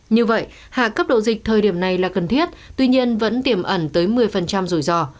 như vậy hạ cấp độ dịch thời điểm này là cần thiết tuy nhiên vẫn tiềm ẩn tới một mươi rủi ro